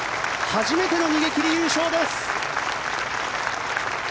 初めての逃げ切り優勝です。